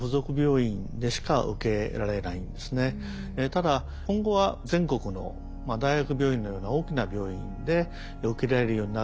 ただ今後は全国の大学病院のような大きな病院で受けられるようになる。